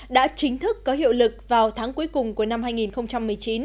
đã chính thức có hiệu lực vào tháng cuối cùng của năm hai nghìn một mươi chín